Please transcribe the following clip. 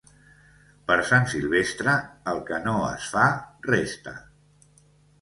Per Sant Silvestre, el que no es fa, resta.